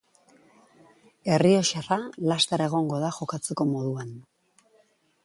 Errioxarra laster egongo da jokatzeko moduan.